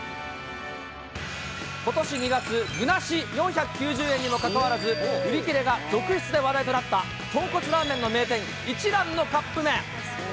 ことし２月、具なし４９０円にもかかわらず、売り切れが続出で話題となった、とんこつラーメンの名店、一蘭のカップ麺。